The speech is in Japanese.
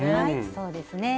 そうですね。